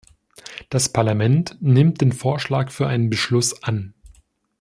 Das Parlament nimmt den Vorschlag für einen Beschluss an.